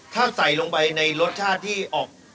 ถ้าใส่ลงไปในรสชาติที่ออก